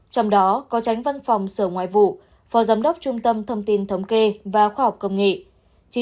trong đó có tránh văn phòng sở ngoại vụ phó giám đốc trung tâm thông tin thống kê và khoa học công nghệ